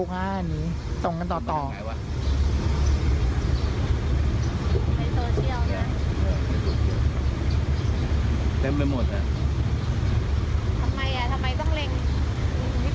ทำไมทำไมต้องเร่ง